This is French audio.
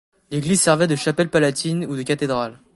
L'église servait de chapelle palatine ou de cathédrale.